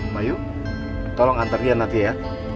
mayu tolong antar dia nanti ya